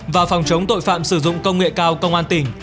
và phòng chống tội phạm sử dụng công nghệ cao công an tỉnh